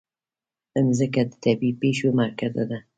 مځکه د طبیعي پېښو مرکز ده.